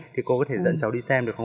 thì cô có thể dẫn cháu đi xem được không ạ